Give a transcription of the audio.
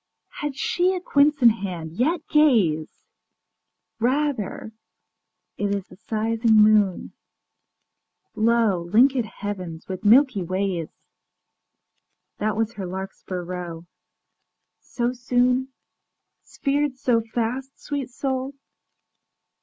Had she a quince in hand? Yet gaze: Rather it is the sizing moon. Lo, link├©d heavens with milky ways! That was her larkspur row. ŌĆöSo soon? Sphered so fast, sweet soul?